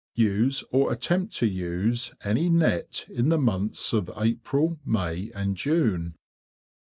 2. Use or attempt to use any Net in the months of April, May, and June.